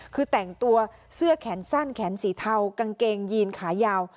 คือแต่งตัวเสื้อแขนสั้นแขนสีเทากางเกงยีนขายาว